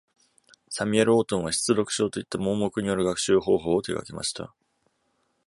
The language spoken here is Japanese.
サミュエル・オートンは失読症といった盲目による学習方法を手がけました。